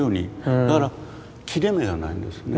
だから切れ目がないんですね。